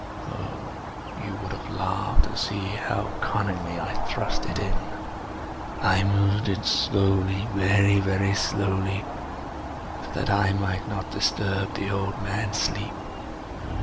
Oh, you would have laughed to see how cunningly I thrust it in! I moved it slowly—very, very slowly, so that I might not disturb the old man's sleep.